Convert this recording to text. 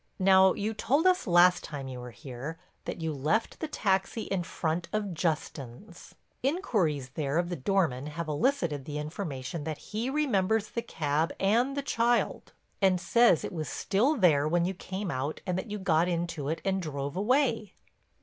Now you told us last time you were here that you left the taxi in front of Justin's. Inquiries there of the doorman have elicited the information that he remembers the cab and the child, and says it was still there when you came out and that you got into it and drove away."